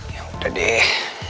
ya udah deh